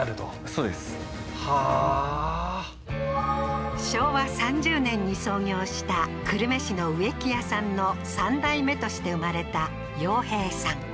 そうですはあー昭和３０年に創業した久留米市の植木屋さんの三代目として生まれた陽平さん